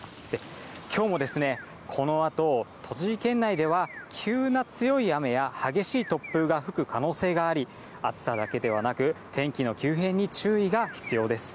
きょうもこのあと栃木県内では急な強い雨や激しい突風が吹く可能性があり、暑さだけではなく、天気の急変に注意が必要です。